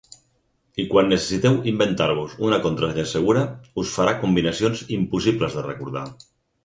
I quan necessiteu inventar-vos una contrasenya segura, us farà combinacions impossibles de recordar.